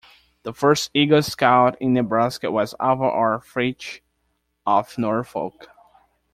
The first Eagle Scout in Nebraska was Alva R. Fitch of Norfolk.